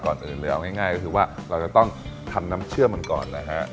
ก่อนอื่นเลยเอาง่ายก็คือว่าเราจะต้องทำน้ำเชื่อมันก่อนนะฮะ